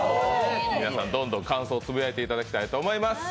皆さん、どんどん感想をつぶやいていただきたいと思います。